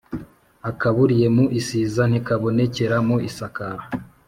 Akaburiye mu isiza ntikabonekera mu isakara.